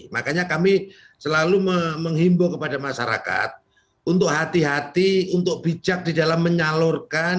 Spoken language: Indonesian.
makanya kami selalu menghimbau kepada masyarakat untuk hati hati untuk bijak di dalam menyalurkan